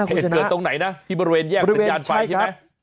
เหตุเกิดตรงไหนนะที่บริเวณแยกสัญญาณไฟใช่ไหม